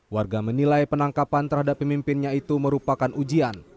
warga menilai penangkapan terhadap pemimpinnya itu merupakan ujian